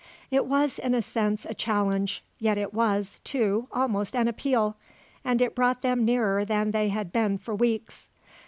It was, in a sense, a challenge, yet it was, too, almost an appeal, and it brought them nearer than they had been for weeks.